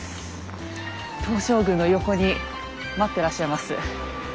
東照宮の横に待ってらっしゃいます。